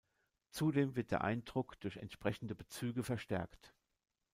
Zudem wird der Eindruck durch entsprechende Bezüge verstärkt.